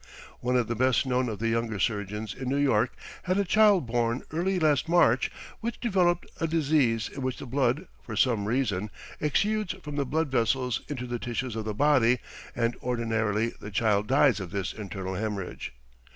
One of the best known of the younger surgeons in New York had a child born early last March, which developed a disease in which the blood, for some reason, exudes from the blood vessels into the tissues of the body, and ordinarily the child dies of this internal hemorrhage.